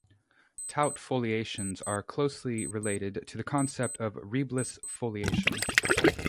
Taut foliations are closely related to the concept of Reebless foliation.